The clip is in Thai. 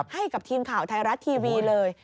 ให้กับทีมข่าวไทยรัฐทีวีเลย